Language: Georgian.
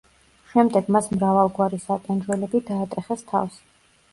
შემდეგ მას მრავალგვარი სატანჯველები დაატეხეს თავს.